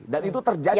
dan itu terjadi